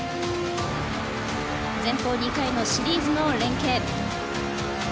前方２回のシリーズの連係。